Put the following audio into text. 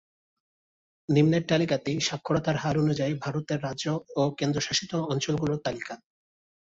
নিম্নের তালিকাটি সাক্ষরতার হার অনুযায়ী ভারতের রাজ্য ও কেন্দ্রশাসিত অঞ্চলগুলির তালিকা।